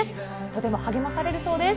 とても励まされるそうです。